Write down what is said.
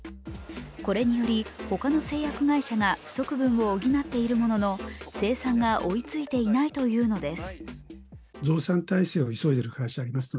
これにより、他の製薬会社が不足分を補っているものの生産が追いついていないというのです。